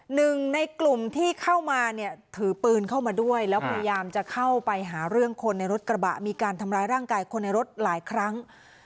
หนึ่งในกลุ่มที่เข้ามาเนี่ยถือปืนเข้ามาด้วยแล้วพยายามจะเข้าไปหาเรื่องคนในรถกระบะมีการทำร้ายร่างกายคนในรถหลายครั้ง